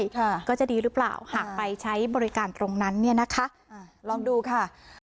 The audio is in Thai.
ค่ะก็จะดีหรือเปล่าหากไปใช้บริการตรงนั้นเนี่ยนะคะอ่าลองดูค่ะ